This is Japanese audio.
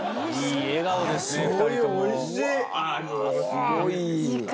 すごいいい。